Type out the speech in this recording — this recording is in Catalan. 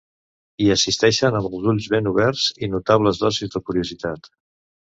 Hi assisteixen amb els ulls ben oberts i notables dosis de curiositat.